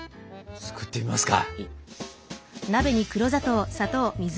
作ってみますか！